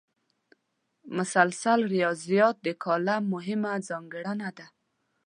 مسلسل ریاضت د کالم مهمه ځانګړنه ده.